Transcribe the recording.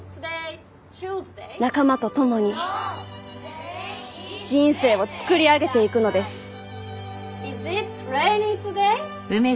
仲間とともに人生を作り上げていくのです。